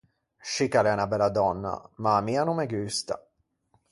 Scì ch’a l’é unna bella dònna, ma à mi a no me gusta.